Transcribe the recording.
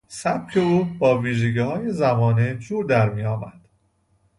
سبک او با ویژگیهای زمانه جور در میآمد.